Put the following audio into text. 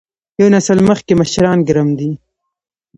یو نسل مخکې مشران ګرم دي.